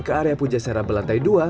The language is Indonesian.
ke area puja serap belantai dua